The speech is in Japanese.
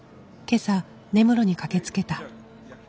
今朝根室に駆けつけた。